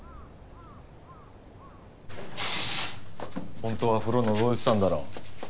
本当は風呂のぞいてたんだろ？